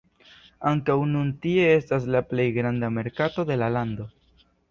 Ankaŭ nun tie estas la plej granda merkato de la lando.